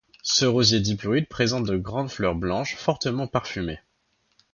Ce rosier diploïde présente de grandes fleurs blanches fortement parfumées.